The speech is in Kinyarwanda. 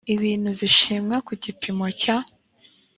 ibintu zishimwa ku gipimo cya